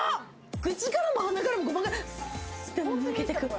口からも鼻からもゴマがすっと抜けていく。